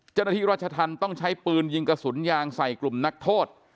เจ้าหน้าที่รัชธรรมต้องใช้ปืนยิงกระสุนยางใส่กลุ่มนักโทษ